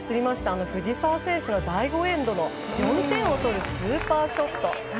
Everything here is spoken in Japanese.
藤澤選手の第５エンドの４点を取るスーパーショット。